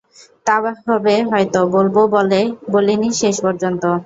তা হবে হয়তো বলব বলে বলিনি শেষ পর্যন্ত?